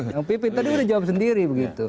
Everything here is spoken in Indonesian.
yang pipin tadi sudah jawab sendiri